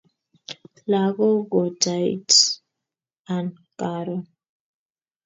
Lakok ko Tait an Karon